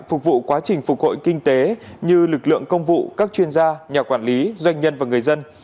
phục vụ quá trình phục hồi kinh tế như lực lượng công vụ các chuyên gia nhà quản lý doanh nhân và người dân